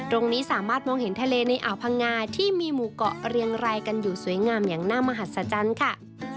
ตรงนี้สามารถมองเห็นทะเลในอ่าวพังงาที่มีหมู่เกาะเรียงรายกันอยู่สวยงามอย่างน่ามหัศจรรย์ค่ะ